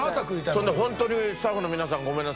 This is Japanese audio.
それでホントにスタッフの皆さんごめんなさい。